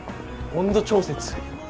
温度調節